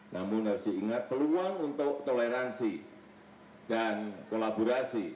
namun harus diingat peluang untuk toleransi dan kolaborasi